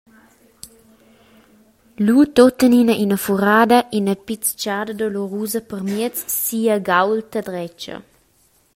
Lu tuttenina ina furada, ina piztgada dolorusa permiez sia gaulta dretga.